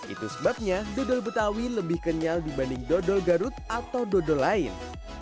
itu sebabnya dodol betawi lebih kenyal dibanding dodol garut atau dodol lain